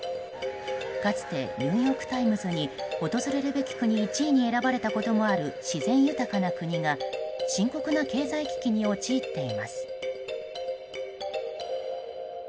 かつてニューヨーク・タイムズに訪れるべき国１位に選ばれたこともある自然豊かな国が深刻な経済危機に陥っています。